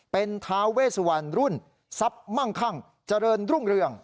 เป็นท้าเวสวันรุ่นทรัพย์มั่งคั่งเจริญรุ่งเรือง